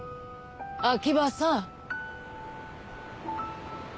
秋葉さん！